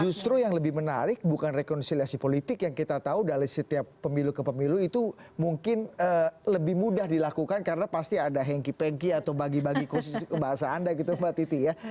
justru yang lebih menarik bukan rekonsiliasi politik yang kita tahu dari setiap pemilu ke pemilu itu mungkin lebih mudah dilakukan karena pasti ada hengki pengki atau bagi bagi kursi bahasa anda gitu mbak titi ya